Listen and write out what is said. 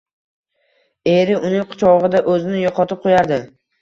eri uning quchogʼida oʼzini yoʼqotib qoʼyardi.